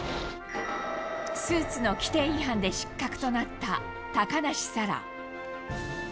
スーツの規定違反で失格となった高梨沙羅。